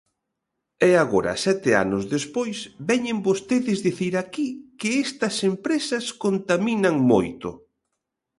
E agora, sete anos despois, veñen vostedes dicir aquí que estas empresas contaminan moito.